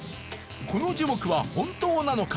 この樹木は本当なのか？